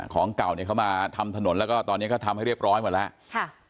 ของเก่าเนี่ยเขามาทำถนนแล้วก็ตอนนี้ก็ทำให้เรียบร้อยหมดแล้วค่ะ